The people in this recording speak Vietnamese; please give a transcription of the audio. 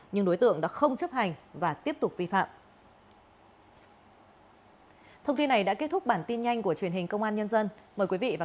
nhưng đối tượng đã không chấp hành và tiếp tục vi phạm